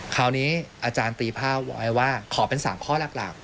คราวนี้อาจารย์ตีผ้าไว้ว่าขอเป็น๓ข้อหลัก